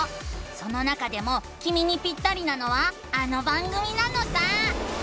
その中でもきみにピッタリなのはあの番組なのさ！